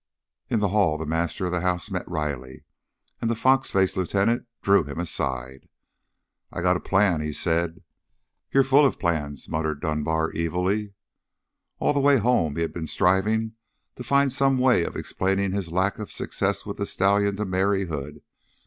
In the hall the master of the house met Riley, and the fox faced lieutenant drew him aside. "I've got a plan," he said. "You're full of plans," muttered Dunbar evilly. All the way home he had been striving to find some way of explaining his lack of success with the stallion to Mary Hood.